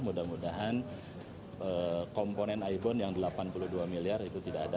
mudah mudahan komponen ibon yang delapan puluh dua miliar itu tidak ada